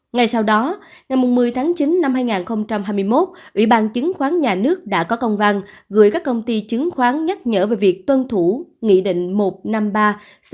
ngày sau đó ngày một mươi tháng chín năm hai nghìn hai mươi một ủy ban chứng khoán nhà nước đã có công văn gửi các công ty chứng khoán nhắc nhở về việc tuân thủ nghị định một trăm năm mươi ba hai nghìn hai mươi nd